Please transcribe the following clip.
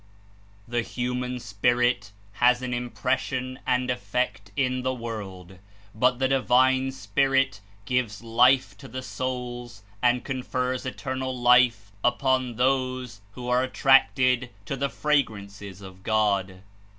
'^The human spirit has an impression and effect in the world, hut the Divine Spirit gives Life to the souls and confers Eternal Life upon those who are 13 J attracird lo the Fragrances of God.